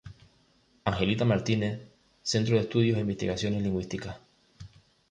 Angelita Martinez, Centro de Estudios e Investigaciones Lingüísticas.